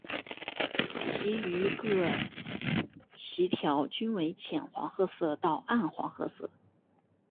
其余各鳍条均为浅黄褐色到暗黄褐色。